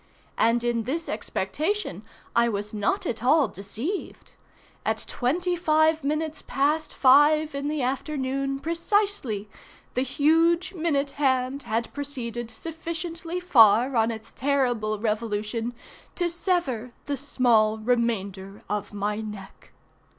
And in this expectation I was not at all deceived. At twenty five minutes past five in the afternoon, precisely, the huge minute hand had proceeded sufficiently far on its terrible revolution to sever the small remainder of my neck.